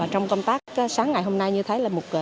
trong công tác sáng ngày hôm nay như thấy là một